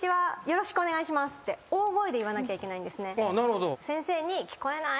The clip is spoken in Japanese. よろしくお願いします」って大声で言わなきゃいけないんですね。